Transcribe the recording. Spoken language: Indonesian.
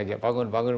bangun bangun bangun